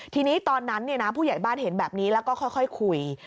ทีนี้ตอนนั้นผู้ใหญ่บ้านเห็นแบบนี้แล้วก็ค่อยคุย